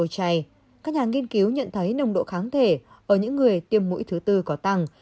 các nhà nghiên cứu nhận thấy nồng độ kháng thể ở những người tiêm mũi thứ tư có tăng